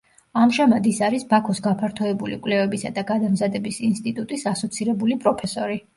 ამჟამად ის არის ბაქოს გაფართოებული კვლევებისა და გადამზადების ინსტიტუტის ასოცირებული პროფესორი.